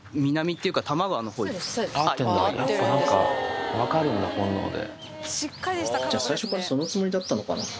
合ってんだやっぱ何か分かるんだ本能で。